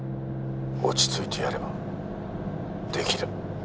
落ち着いてやればできる。